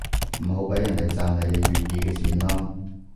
唔好畀人哋賺你哋粵語嘅錢囉